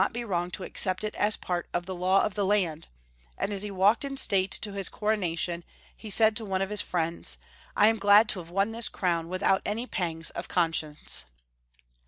be wrong to accept it as part of the law of the land, and as he walked in state to his coronation, he said to one of his fiiends, "I am glad to have won this crown without any pangs of conscience."